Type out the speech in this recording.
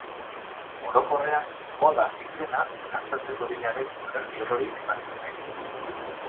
Orokorrean, oda izena, kantatzeko egina den olerki orori ematen zaio.